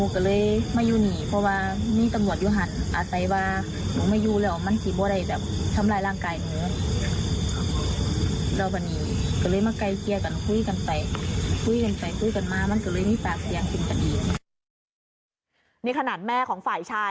ก็เลยมาไกลเตียร์กันคุยกันไปเพื่อนคุยกันมา